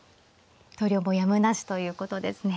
投了もやむなしということですね。